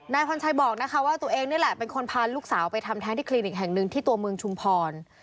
พรชัยบอกนะคะว่าตัวเองนี่แหละเป็นคนพาลูกสาวไปทำแท้งที่คลินิกแห่งหนึ่งที่ตัวเมืองชุมพร